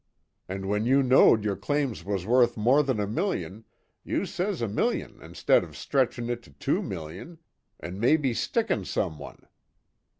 An' when you know'd yer claims was worth more than a million, you says a million instead of stretchin' it to two million, an' maybe stickin' some one.